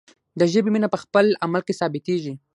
د ژبې مینه په عمل کې ثابتیږي.